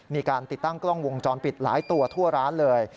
มีการติดตั้งกล้องวงจรปิดหลายตัวทั่วร้านเลย